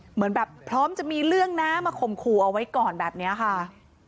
เหมือนแบบพร้อมจะมีเรื่องนะมาข่มขู่เอาไว้ก่อนแบบนี้ค่ะ